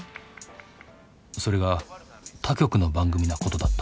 それが他局の番組なことだった。